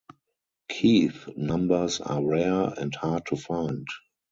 Keith numbers are rare and hard to find.